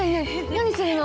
何するの？